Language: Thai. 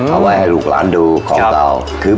เอาไว้ให้ลูกหลานดูของเรา